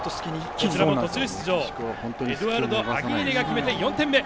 こちらも途中出場エドゥアルド・アギーレが決めて４点目。